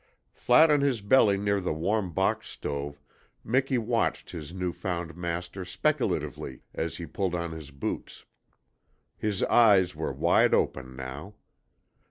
Flat on his belly near the warm box stove Miki watched his new found master speculatively as he pulled on his boots. His eyes were wide open now.